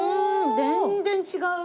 全然違う！